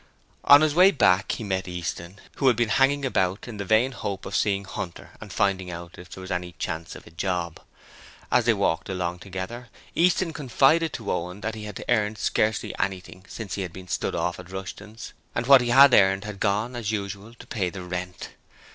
On his way back he met Easton, who had been hanging about in the vain hope of seeing Hunter and finding out if there was any chance of a job. As they walked along together, Easton confided to Owen that he had earned scarcely anything since he had been stood off at Rushton's, and what he had earned had gone, as usual, to pay the rent.